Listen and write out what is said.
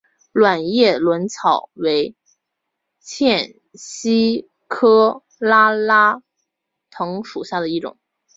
卵叶轮草为茜草科拉拉藤属下的一个种。